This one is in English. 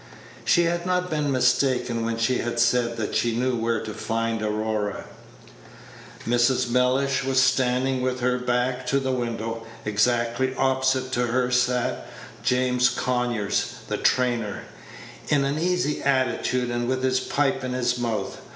She had not been mistaken when she had said that she knew where to find Aurora. Mrs. Mellish was standing with her back to the window. Exactly opposite to her sat James Conyers, the trainer, in an easy attitude, and with his pipe in his mouth.